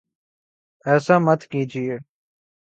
ایسا مت کیجیے